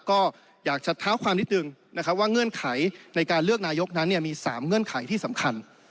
ก็อยากจะเท้าความนิดนึงนะครับว่าเงื่อนไขในการเลือกนายกนั้นมี๓เงื่อนไขที่สำคัญ